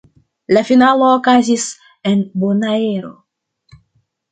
La finalo okazis en Bonaero.